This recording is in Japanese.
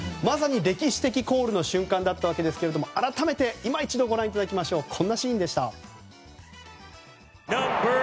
まさに歴史的コールの瞬間だったわけですけれども改めて今一度ご覧いただきましょう。